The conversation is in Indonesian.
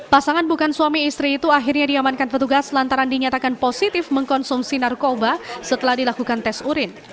pasangan bukan suami istri itu akhirnya diamankan petugas lantaran dinyatakan positif mengkonsumsi narkoba setelah dilakukan tes urin